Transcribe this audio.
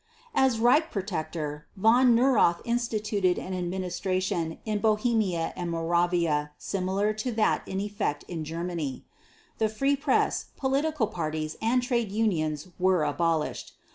As Reich Protector, Von Neurath instituted an administration in Bohemia and Moravia similar to that in effect in Germany. The free press, political parties, and trade unions were abolished.